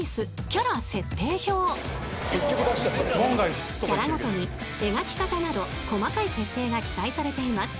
［キャラごとに描き方など細かい設定が記載されています］